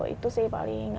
itu sih paling